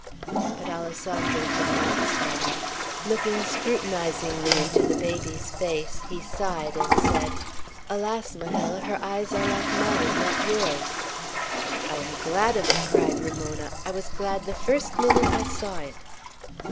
But Alessandro did not smile. Looking scrutinizingly into the baby's face, he sighed, and said, "Alas, Majella, her eyes are like mine, not yours!" "I am glad of it," cried Ramona. "I was glad the first minute I saw it."